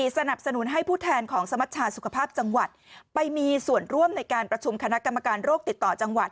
สนับสนุนให้ผู้แทนของสมัชชาสุขภาพจังหวัดไปมีส่วนร่วมในการประชุมคณะกรรมการโรคติดต่อจังหวัด